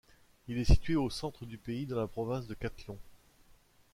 Il est situé au centre du pays, dans la province de Khatlon.